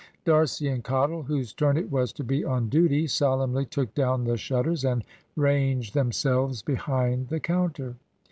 D'Arcy and Cottle, whose turn it was to be on duty, solemnly took down the shutters, and ranged themselves behind the counter.